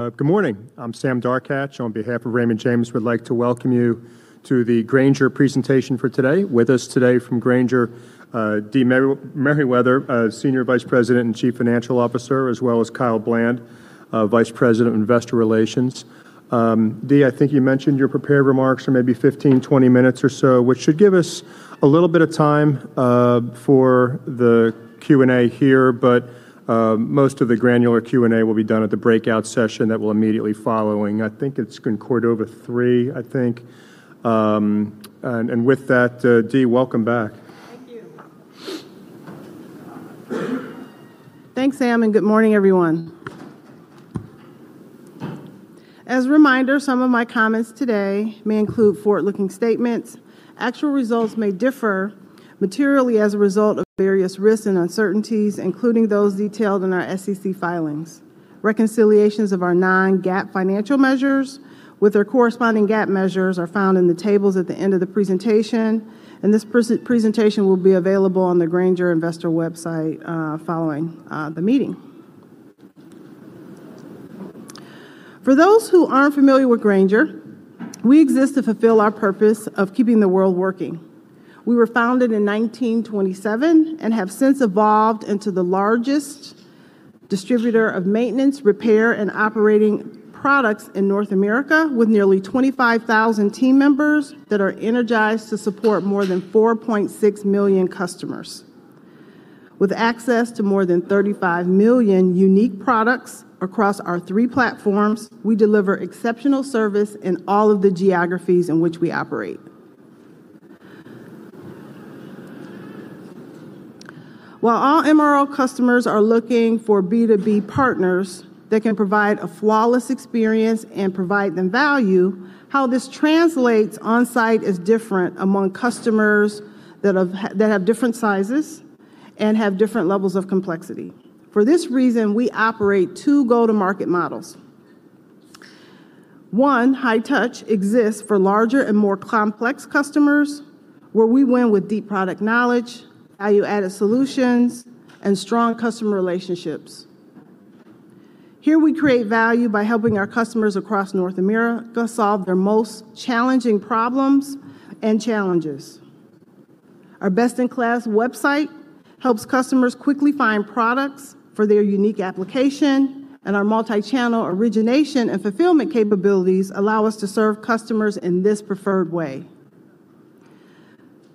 Good morning. I'm Sam Darkatsh. On behalf of Raymond James, we'd like to welcome you to the Grainger presentation for today. With us today from Grainger, Deidra Meriwether, Senior Vice President and Chief Financial Officer, as well as Kyle Bland, Vice President of Investor Relations. Dee, you mentioned your prepared remarks are maybe 15, 20 minutes or so, which should give us a little bit of time for the Q&A here. Most of the granular Q&A will be done at the breakout session that will immediately following. It's in Cordova 3, I think. With that, Deidra, welcome back. Thank you. Thanks, Sam, and good morning, everyone. As a reminder, some of my comments today may include forward-looking statements. Actual results may differ materially as a result of various risks and uncertainties, including those detailed in our SEC filings. Reconciliations of our non-GAAP financial measures with their corresponding GAAP measures are found in the tables at the end of the presentation, and this presentation will be available on the Grainger investor website, following the meeting. For those who aren't familiar with Grainger, we exist to fulfill our purpose of keeping the world working. We were founded in 1927 and have since evolved into the largest distributor of maintenance, repair, and operating products in North America, with nearly 25,000 team members that are energized to support more than 4.6 million customers. With access to more than 35 million unique products across our three platforms, we deliver exceptional service in all of the geographies in which we operate. While all MRO customers are looking for B2B partners that can provide a flawless experience and provide them value, how this translates on-site is different among customers that have different sizes and have different levels of complexity. For this reason, we operate two go-to-market models. One, High-Touch, exists for larger and more complex customers, where we win with deep product knowledge, value-added solutions, and strong customer relationships. Here we create value by helping our customers across North America solve their most challenging problems and challenges. Our best-in-class website helps customers quickly find products for their unique application, and our multi-channel origination and fulfillment capabilities allow us to serve customers in this preferred way.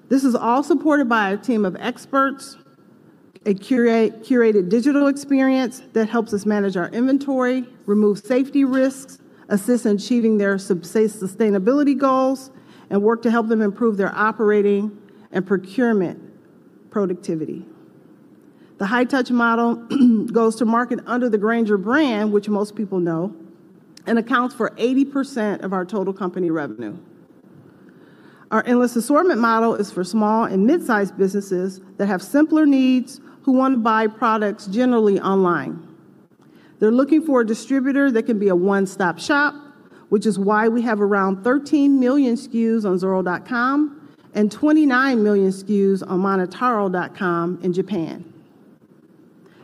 This is all supported by a team of experts, a curated digital experience that helps us manage our inventory, remove safety risks, assist in achieving their sustainability goals, and work to help them improve their operating and procurement productivity. The High-Touch model goes to market under the Grainger brand, which most people know, and accounts for 80% of our total company revenue. Our Endless Assortment model is for small and mid-sized businesses that have simpler needs who want to buy products generally online. They're looking for a distributor that can be a one-stop shop, which is why we have around 13 million SKUs on Zoro.com and 29 million SKUs on Monotaro.com in Japan.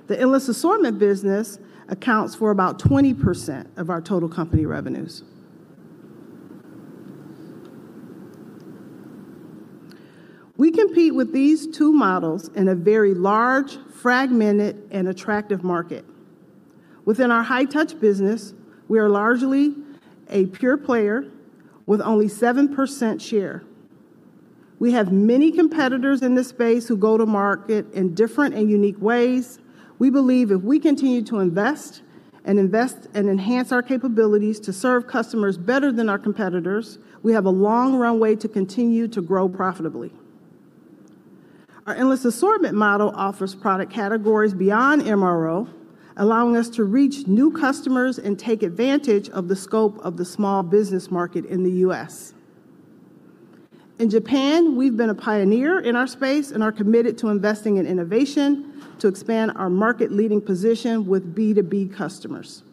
The Endless Assortment business accounts for about 20% of our total company revenues. We compete with these two models in a very large, fragmented, and attractive market. Within our high-touch business, we are largely a pure player with only 7% share. We have many competitors in this space who go to market in different and unique ways. We believe if we continue to invest and enhance our capabilities to serve customers better than our competitors, we have a long runway to continue to grow profitably. Our Endless Assortment model offers product categories beyond MRO, allowing us to reach new customers and take advantage of the scope of the small business market in the U.S. In Japan, we've been a pioneer in our space and are committed to investing in innovation to expand our market-leading position with B2B customers.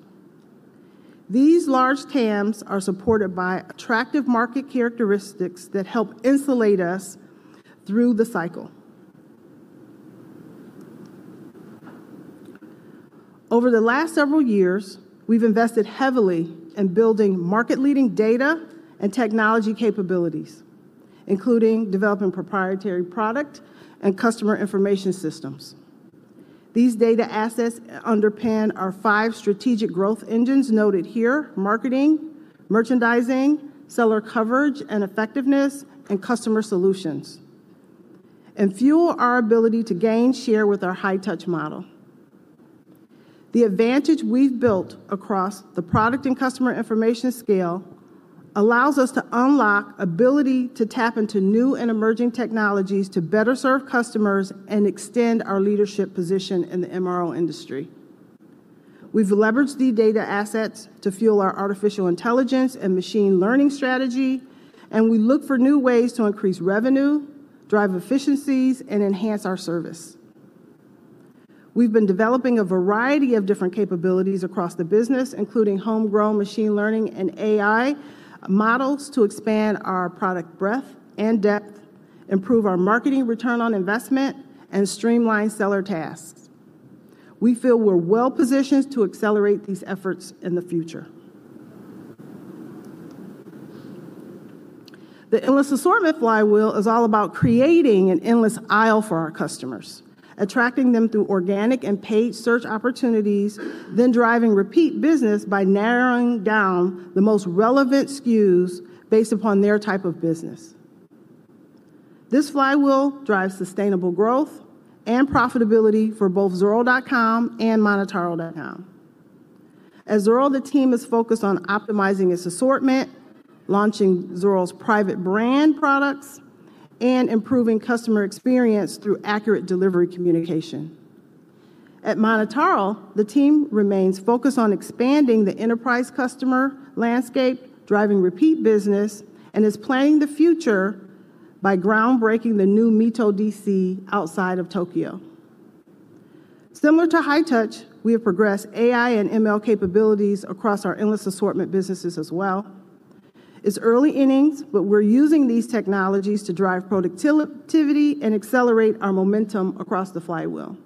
These large TAMs are supported by attractive market characteristics that help insulate us through the cycle. Over the last several years, we've invested heavily in building market-leading data and technology capabilities, including developing proprietary product and customer information systems. These data assets underpin our five strategic growth engines noted here, marketing, merchandising, seller coverage and effectiveness, and customer solutions, and fuel our ability to gain share with our High-Touch model. The advantage we've built across the product and customer information scale allows us to unlock ability to tap into new and emerging technologies to better serve customers and extend our leadership position in the MRO industry. We've leveraged these data assets to fuel our artificial intelligence and machine learning strategy, and we look for new ways to increase revenue, drive efficiencies, and enhance our service. We've been developing a variety of different capabilities across the business, including homegrown machine learning and AI models to expand our product breadth and depth, improve our marketing return on investment, and streamline seller tasks. We feel we're well-positioned to accelerate these efforts in the future. The Endless Assortment flywheel is all about creating an endless aisle for our customers, attracting them through organic and paid search opportunities, driving repeat business by narrowing down the most relevant SKUs based upon their type of business. This flywheel drives sustainable growth and profitability for both Zoro.com and Monotaro.com. At Zoro, the team is focused on optimizing its assortment, launching Zoro's private brand products, and improving customer experience through accurate delivery communication. At Monotaro, the team remains focused on expanding the enterprise customer landscape, driving repeat business, and is planning the future by groundbreaking the new Mito DC outside of Tokyo. Similar to High-Touch, we have progressed AI and ML capabilities across our Endless Assortment businesses as well. It's early innings, but we're using these technologies to drive productivity and accelerate our momentum across the flywheel.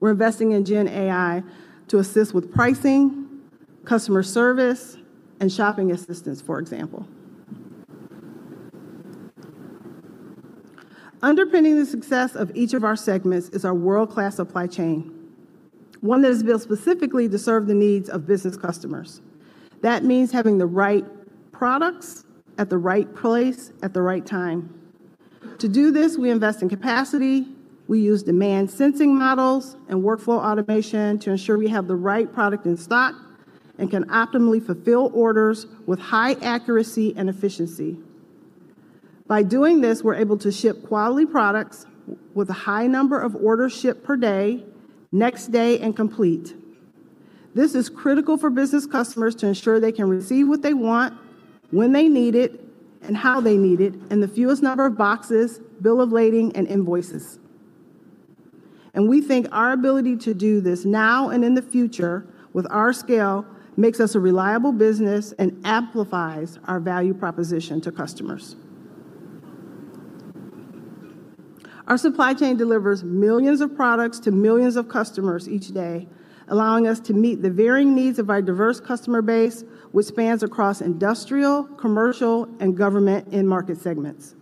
We're investing in Gen AI to assist with pricing, customer service, and shopping assistance, for example. Underpinning the success of each of our segments is our world-class supply chain, one that is built specifically to serve the needs of business customers. That means having the right products at the right place at the right time. To do this, we invest in capacity, we use demand sensing models and workflow automation to ensure we have the right product in stock and can optimally fulfill orders with high accuracy and efficiency. By doing this, we're able to ship quality products with a high number of orders shipped per day, next day, and complete. This is critical for business customers to ensure they can receive what they want, when they need it, and how they need it in the fewest number of boxes, bill of lading, and invoices. We think our ability to do this now and in the future with our scale makes us a reliable business and amplifies our value proposition to customers. Our supply chain delivers millions of products to millions of customers each day, allowing us to meet the varying needs of our diverse customer base, which spans across industrial, commercial, and government end market segments.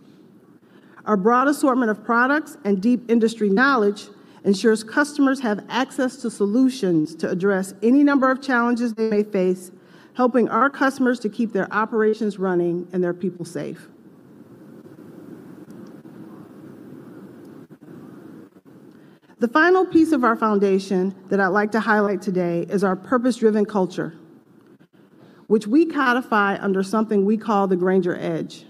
Our broad assortment of products and deep industry knowledge ensures customers have access to solutions to address any number of challenges they may face, helping our customers to keep their operations running and their people safe. The final piece of our foundation that I'd like to highlight today is our purpose-driven culture, which we codify under something we call the Grainger Edge.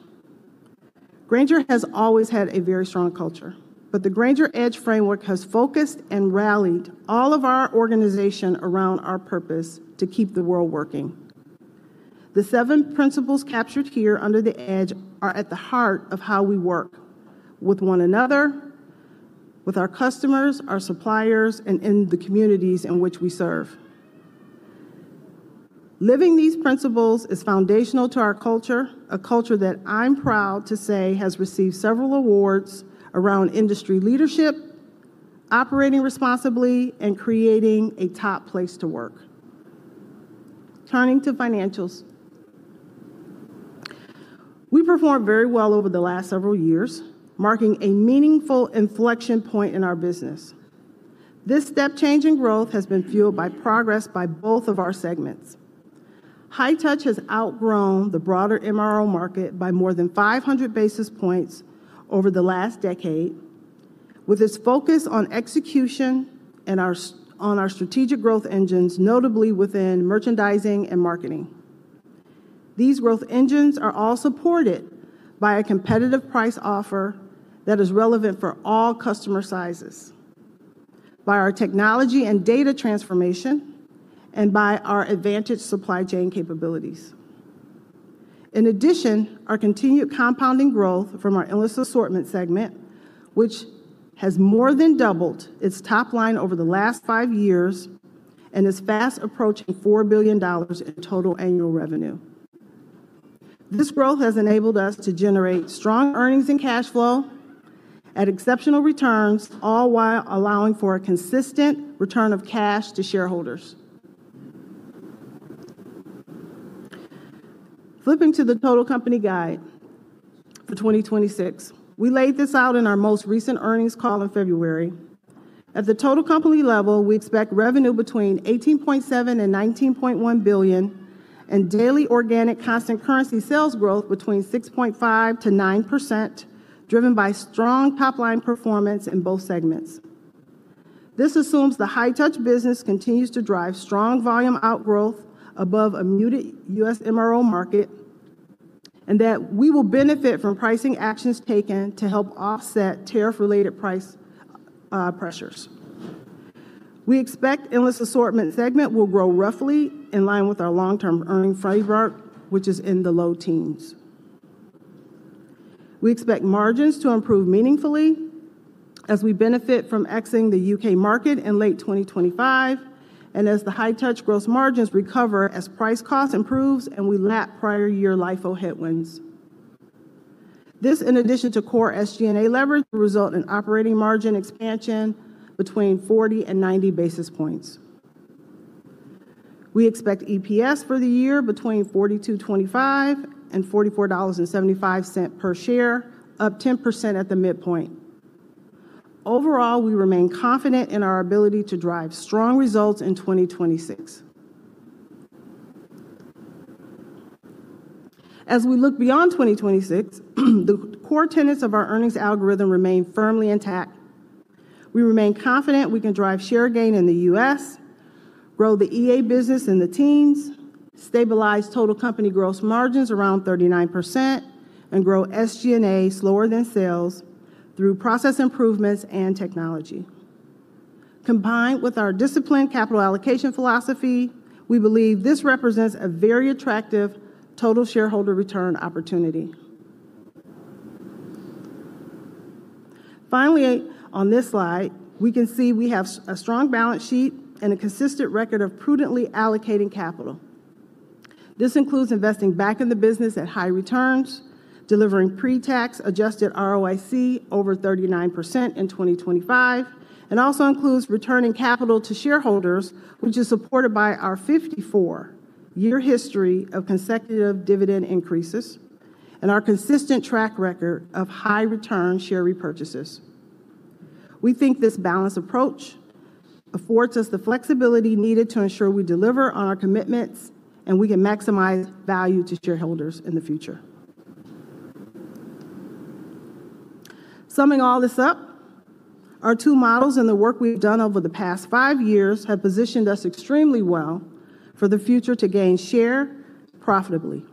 Grainger has always had a very strong culture, but the Grainger Edge framework has focused and rallied all of our organization around our purpose to keep the world working. The seven principles captured here under the Edge are at the heart of how we work with one another, with our customers, our suppliers, and in the communities in which we serve. Living these principles is foundational to our culture, a culture that I'm proud to say has received several awards around industry leadership, operating responsibly, and creating a top place to work. Turning to financials. We performed very well over the last several years, marking a meaningful inflection point in our business. This step change in growth has been fueled by progress by both of our segments. High-Touch has outgrown the broader MRO market by more than 500 basis points over the last decade, with its focus on execution and on our strategic growth engines, notably within merchandising and marketing. These growth engines are all supported by a competitive price offer that is relevant for all customer sizes, by our technology and data transformation, and by our advantage supply chain capabilities. Our continued compounding growth from our Endless Assortment segment, which has more than doubled its top line over the last 5 years and is fast approaching $4 billion in total annual revenue. This growth has enabled us to generate strong earnings and cash flow at exceptional returns, all while allowing for a consistent return of cash to shareholders. Flipping to the total company guide for 2026, we laid this out in our most recent earnings call in February. At the total company level, we expect revenue between $18.7 billion and $19.1 billion and daily organic constant currency sales growth between 6.5%-9%, driven by strong top-line performance in both segments. This assumes the High-Touch business continues to drive strong volume outgrowth above a muted U.S. MRO market and that we will benefit from pricing actions taken to help offset tariff-related price pressures. We expect Endless Assortment segment will grow roughly in line with our long-term earning framework, which is in the low teens. We expect margins to improve meaningfully as we benefit from exiting the U.K. market in late 2025, and as the High-Touch gross margins recover as price cost improves and we lap prior year LIFO headwinds. This, in addition to core SG&A leverage, will result in operating margin expansion between 40 and 90 basis points. We expect EPS for the year between $42.25 and $44.75 per share, up 10% at the midpoint. Overall, we remain confident in our ability to drive strong results in 2026. As we look beyond 2026, the core tenets of our earnings algorithm remain firmly intact. We remain confident we can drive share gain in the U.S., grow the EA business in the teens, stabilize total company gross margins around 39%, and grow SG&A slower than sales through process improvements and technology. Combined with our disciplined capital allocation philosophy, we believe this represents a very attractive total shareholder return opportunity. Finally, on this slide, we can see we have a strong balance sheet and a consistent record of prudently allocating capital. This includes investing back in the business at high returns, delivering pre-tax adjusted ROIC over 39% in 2025, and also includes returning capital to shareholders, which is supported by our 54-year history of consecutive dividend increases and our consistent track record of high return share repurchases. We think this balanced approach affords us the flexibility needed to ensure we deliver on our commitments, and we can maximize value to shareholders in the future. Summing all this up, our two models and the work we've done over the past five years have positioned us extremely well for the future to gain share profitably.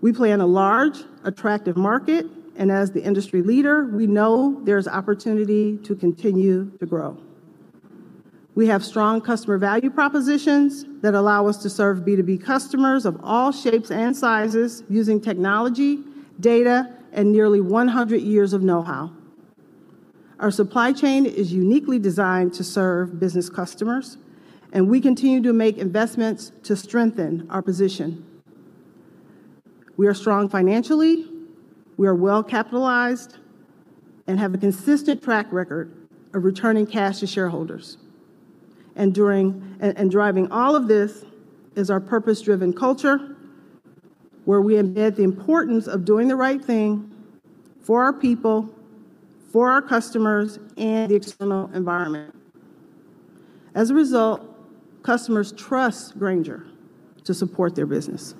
We play in a large, attractive market, and as the industry leader, we know there's opportunity to continue to grow. We have strong customer value propositions that allow us to serve B2B customers of all shapes and sizes using technology, data, and nearly 100 years of know-how. Our supply chain is uniquely designed to serve business customers, and we continue to make investments to strengthen our position. We are strong financially, we are well-capitalized, and have a consistent track record of returning cash to shareholders. Driving all of this is our purpose-driven culture, where we embed the importance of doing the right thing for our people, for our customers, and the external environment. As a result, customers trust Grainger to support their business.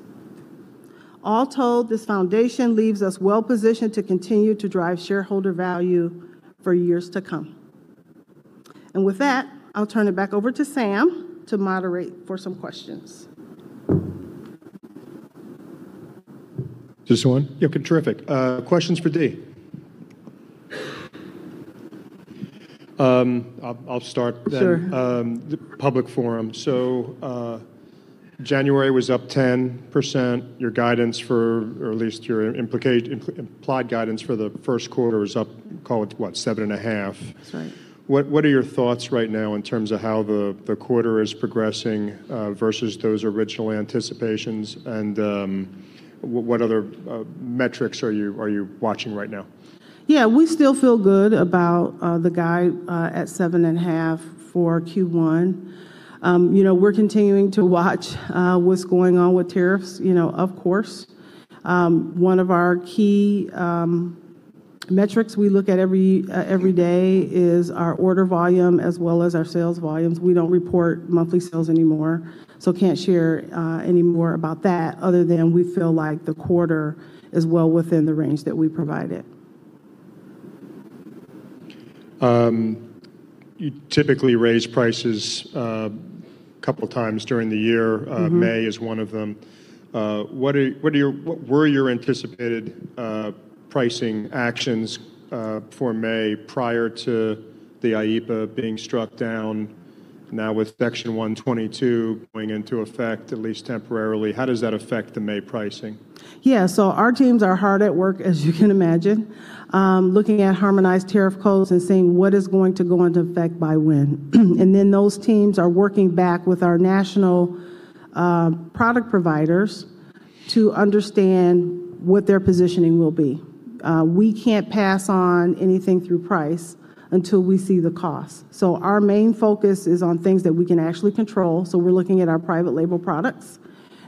All told, this foundation leaves us well-positioned to continue to drive shareholder value for years to come. With that, I'll turn it back over to Sam to moderate for some questions. Just one? Okay, terrific. Questions for Deidra. I'll start then. Sure. The public forum. January was up 10%. Your guidance for, or at least your implied guidance for the Q1 is up, call it, what? Seven and a half. That's right. What are your thoughts right now in terms of how the quarter is progressing versus those original anticipations? What other metrics are you watching right now? We still feel good about the guide at 7.5% for Q1. We're continuing to watch what's going on with tariffs, of course. One of our key metrics we look at every day is our order volume as well as our sales volumes. We don't report monthly sales anymore, so can't share any more about that other than we feel like the quarter is well within the range that we provided. You typically raise prices, couple times during the year. Mm-hmm. May is one of them. What were your anticipated pricing actions for May prior to the IEEPA being struck down? Now with Section 122 going into effect, at least temporarily, how does that affect the May pricing? Our teams are hard at work, as you can imagine, looking at Harmonized Tariff Codes and seeing what is going to go into effect by when. Those teams are working back with our national product providers to understand what their positioning will be. We can't pass on anything through price until we see the cost. Our main focus is on things that we can actually control, so we're looking at our private label products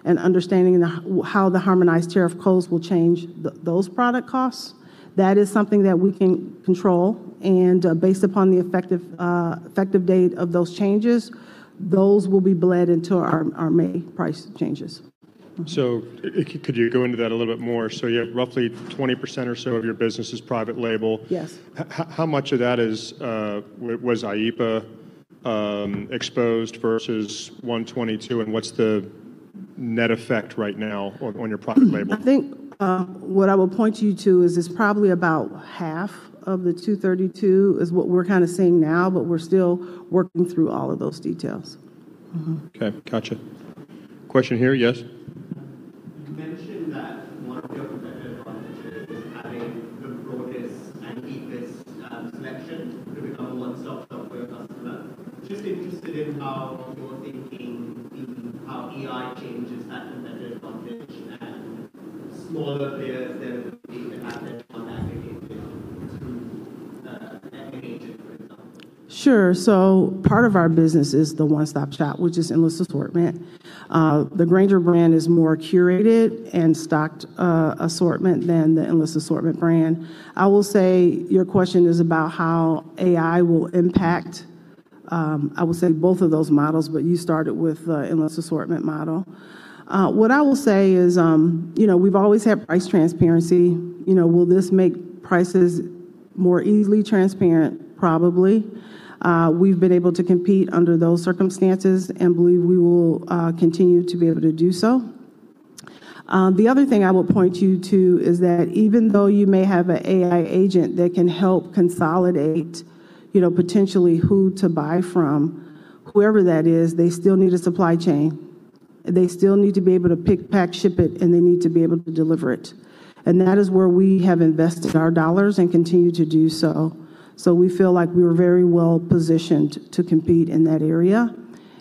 and understanding how the Harmonized Tariff Codes will change those product costs. That is something that we can control, and based upon the effective date of those changes, those will be bled into our May price changes. Could you go into that a little bit more? You have roughly 20% or so of your business is private label. Yes. How much of that is was IEEPA exposed versus 122, and what's the net effect right now on your private label? What I will point you to is it's probably about half of the Section 232 is what we're kind of seeing now, but we're still working through all of those details. Mm-hmm. Okay. Got it. Question here. Yes? You mentioned that one of your competitive advantages is having the broadest and deepest selection to become a one-stop shop for your customer. Just interested in how you're thinking how AI changes that competitive advantage and smaller players then competing with that advantage through an agent, for example. Part of our business is the one-stop shop, which is Endless Assortment. The Grainger brand is more curated and stocked assortment than the Endless Assortment brand. I will say your question is about how AI will impact, I will say both of those models, but you started with the Endless Assortment model. What I will say, we've always had price transparency. Will this make prices more easily transparent? Probably. We've been able to compete under those circumstances and believe we will continue to be able to do so. The other thing I will point you to is that even though you may have an AI agent that can help consolidate, potentially who to buy from, whoever that is, they still need a supply chain. They still need to be able to pick, pack, ship it, and they need to be able to deliver it. That is where we have invested our dollars and continue to do so. We feel like we are very well-positioned to compete in that area.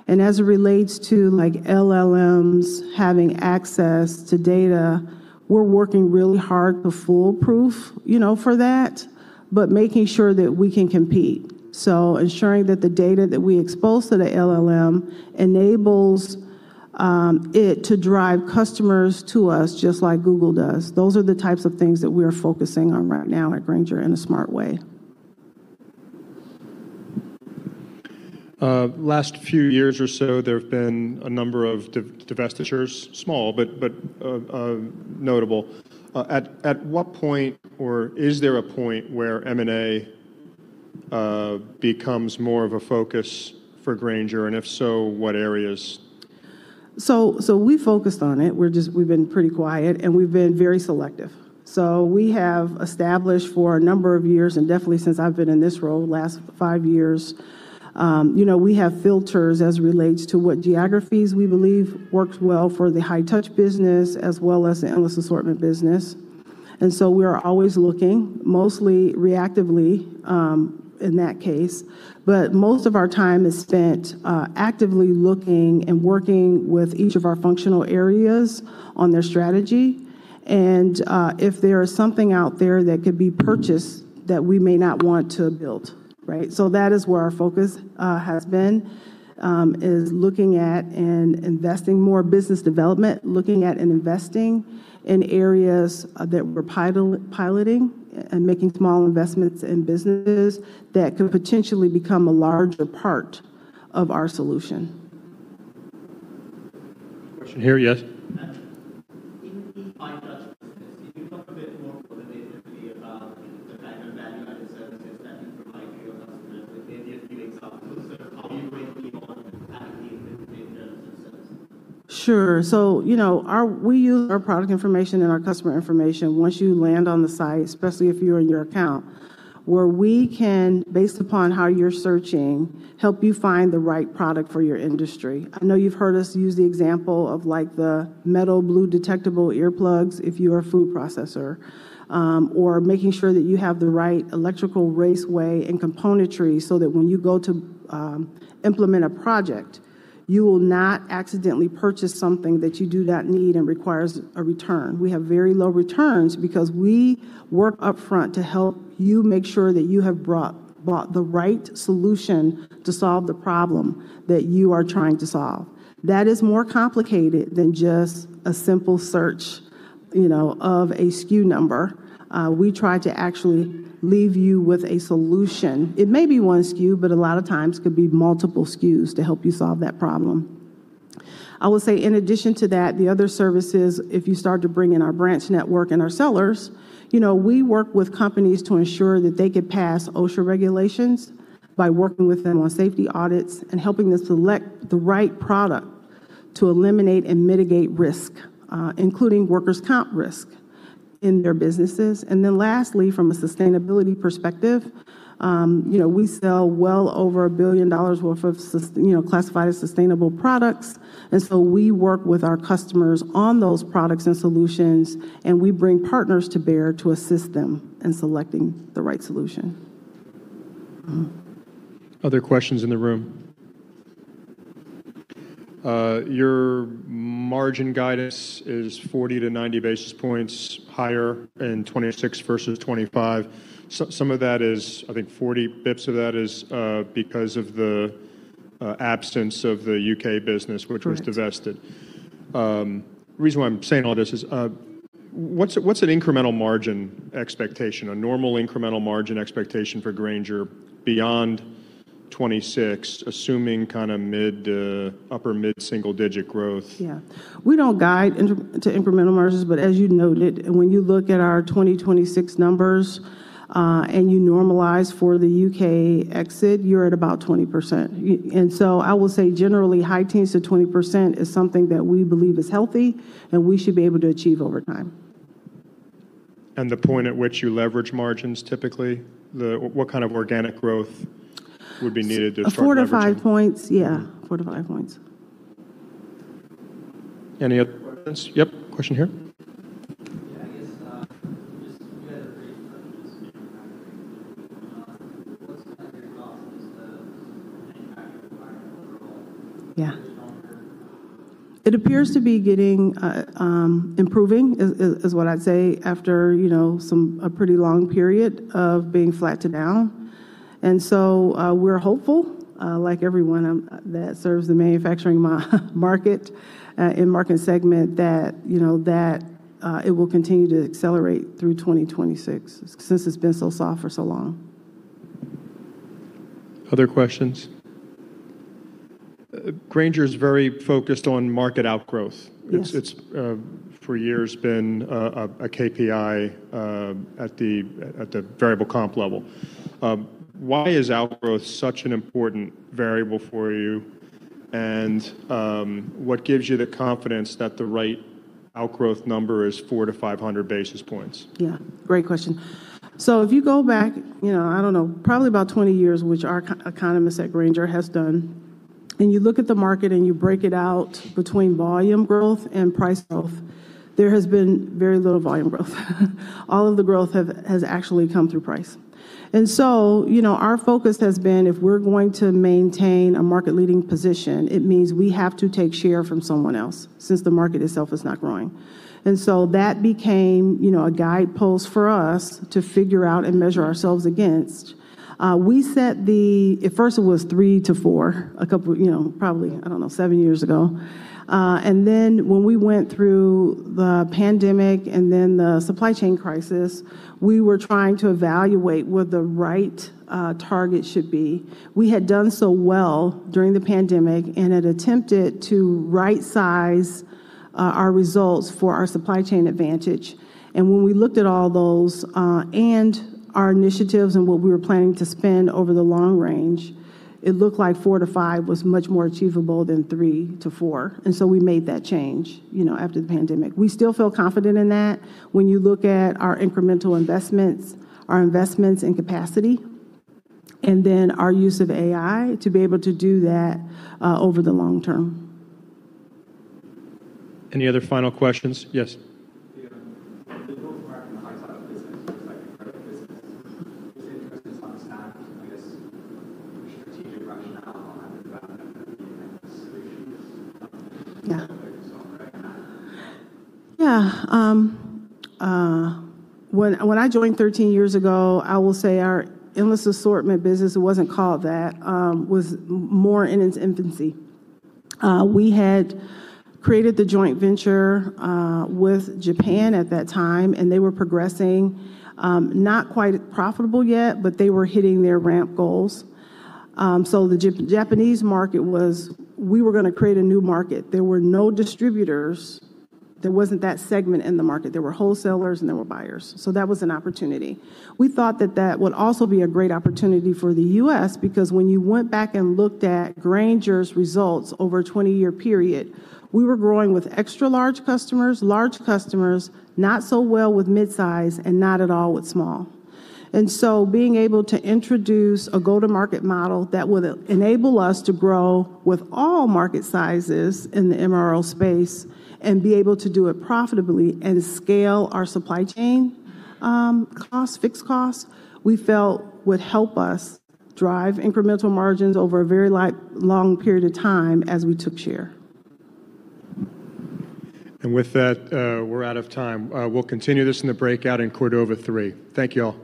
As it relates to, like, LLMs having access to data, we're working really hard to foolproof, for that, but making sure that we can compete. Ensuring that the data that we expose to the LLM enables it to drive customers to us just like Google does. Those are the types of things that we're focusing on right now at Grainger in a smart way. Last few years or so, there have been a number of divestitures, small but notable. At what point, or is there a point where M&A becomes more of a focus for Grainger? If so, what areas? We focused on it. We've been pretty quiet, and we've been very selective. We have established for a number of years, and definitely since I've been in this role, last five years, you know, we have filters as it relates to what geographies we believe works well for the High-Touch business as well as the Endless Assortment business. We are always looking, mostly reactively, in that case. Most of our time is spent actively looking and working with each of our functional areas on their strategy and if there is something out there that could be purchased that we may not want to build, right? That is where our focus has been, is looking at and investing more business development, looking at and investing in areas that we're piloting and making small investments in businesses that could potentially become a larger part of our solution. Question here, yes. In the High-Touch business, can you talk a bit more qualitatively about the type of value-added services that you provide to your customers? Like, maybe a few examples of how you went beyond having the inventory and services. Sure. We use our product information and our customer information once you land on the site, especially if you're in your account, where we can, based upon how you're searching, help you find the right product for your industry. You've heard us use the example of, like, the metal blue detectable earplugs if you are a food processor, or making sure that you have the right electrical raceway and componentry so that when you go to implement a project, you will not accidentally purchase something that you do not need and requires a return. We have very low returns because we work upfront to help you make sure that you have bought the right solution to solve the problem that you are trying to solve. That is more complicated than just a simple search, SKU number. We try to actually leave you with a solution. It may be 1 SKU, but a lot of times could be multiple SKUs to help you solve that problem. I will say in addition to that, the other services, if you start to bring in our branch network and our sellers, we work with companies to ensure that they get past OSHA regulations by working with them on safety audits and helping them select the right product to eliminate and mitigate risk, including workers' comp risk in their businesses. Lastly, from a sustainability perspective, we sell well over $1 billion worth of, you know, classified as sustainable products. We work with our customers on those products and solutions, and we bring partners to bear to assist them in selecting the right solution. Other questions in the room? Your margin guidance is 40 to 90 basis points higher in 2026 versus 2025. Some of that is, I think 40 basis points of that is because of the absence of the U.K. business. Correct. which was divested. The reason why I'm saying all this is, what's an incremental margin expectation, a normal incremental margin expectation for Grainger beyond 2026, assuming kinda mid to upper mid-single-digit growth? We don't guide inter- to incremental margins, but as you noted, when you look at our 2026 numbers, and you normalize for the U.K. exit, you're at about 20%. I will say generally high teens to 20% is something that we believe is healthy and we should be able to achieve over time. The point at which you leverage margins typically, what kind of organic growth would be needed to start leveraging? 4-5 points. Any other questions? Yep, question here. I guess, just you had a great touch on just manufacturing. What's kind of your thoughts as the manufacturing environment overall? Yeah .gets stronger? It appears to be getting, improving is what I'd say after, a pretty long period of being flat to down. We're hopeful, like everyone, that serves the manufacturing market, and market segment that, it will continue to accelerate through 2026 since it's been so soft for so long. Other questions? Grainger's very focused on market outgrowth. Yes. It's for years been a KPI at the variable comp level. Why is outgrowth such an important variable for you? What gives you the confidence that the right outgrowth number is 400-500 basis points? Great question. If you go back, you know, I don't know, probably about 20 years, which our eco-economist at Grainger has done, and you look at the market, and you break it out between volume growth and price growth, there has been very little volume growth. All of the growth has actually come through price. You know, our focus has been, if we're going to maintain a market-leading position, it means we have to take share from someone else since the market itself is not growing. That became, you know, a guidepost for us to figure out and measure ourselves against. At first it was 3-4, a couple, you know, probably, I don't know, seven years ago. When we went through the pandemic and then the supply chain crisis, we were trying to evaluate what the right target should be. We had done so well during the pandemic and had attempted to rightsize our results for our supply chain advantage. When we looked at all those and our initiatives and what we were planning to spend over the long range, it looked like 4-5 was much more achievable than 3-4. We made that change, after the pandemic. We still feel confident in that when you look at our incremental investments, our investments in capacity, and then our use of AI to be able to do that over the long term. Any other final questions? Yes. Yeah. The growth part from the high side of the business looks like a great business. Just interested to understand, I guess, the strategic rationale behind developing the endless solutions. Yeah. as well, right? When I joined 13 years ago, I will say our Endless Assortment business, it wasn't called that, was more in its infancy. We had created the joint venture with Japan at that time, and they were progressing, not quite profitable yet, but they were hitting their ramp goals. The Japanese market was we were gonna create a new market. There were no distributors. There wasn't that segment in the market. There were wholesalers, and there were buyers. That was an opportunity. We thought that that would also be a great opportunity for the U.S. because when you went back and looked at Grainger's results over a 20-year period, we were growing with extra large customers, large customers, not so well with mid-size, and not at all with small. Being able to introduce a go-to-market model that would e-enable us to grow with all market sizes in the MRO space and be able to do it profitably and scale our supply chain, costs, fixed costs, we felt would help us drive incremental margins over a very long period of time as we took share. With that, we're out of time. We'll continue this in the breakout in Cordova Three. Thank you all.